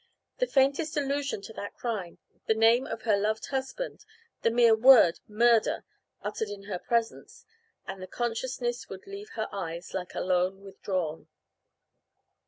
The faintest allusion to that crime, the name of her loved husband, the mere word "murder" uttered in her presence and the consciousness would leave her eyes, like a loan withdrawn.